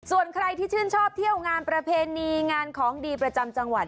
ส่วนใครที่ชื่นชอบเที่ยวงานประเพณีงานของดีประจำจังหวัด